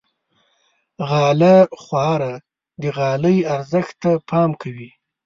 غاله خواره د غالۍ ارزښت ته پام کوي.